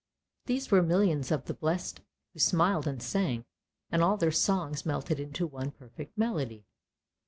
These were millions of the Blessed who smiled and sang, and all their songs melted into one perfect melody.